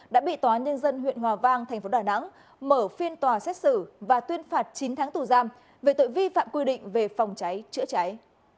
đã bị tòa nhân dân huyện hòa vang thành phố đà nẵng mở phiên tòa xét xử và tuyên phạt chín tháng tù giam về tội vi phạm quy định về phòng cháy chữa cháy